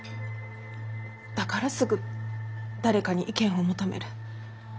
だからすぐ誰かに意見を求める。